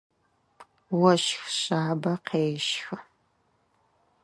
Ощх шъабэ къещхы.